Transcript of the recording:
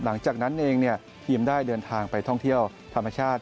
หลังจากนั้นเองทีมได้เดินทางไปท่องเที่ยวธรรมชาติ